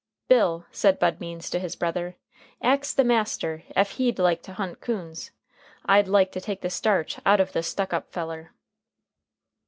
"Bill," said Bud Means to his brother, "ax the master ef he'd like to hunt coons. I'd like to take the starch out uv the stuck up feller."